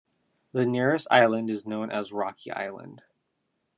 The nearest island is known as "Rocky Island".